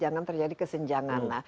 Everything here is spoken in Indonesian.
jangan terjadi kesenjangan